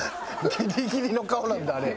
ギリギリの顔なんだあれ。